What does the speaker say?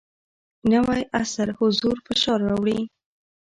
نوی عصر حضور فشار راوړی.